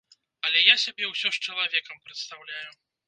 Але я сябе ўсё ж чалавекам прадстаўляю.